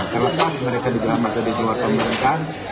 terlepas mereka di dalam atau di luar pemerintahan